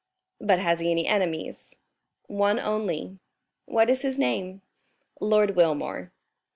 "But has he any enemies?" "One only." "What is his name?" "Lord Wilmore."